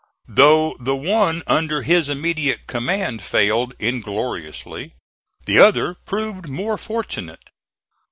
Though the one under his immediate command failed ingloriously the other proved more fortunate.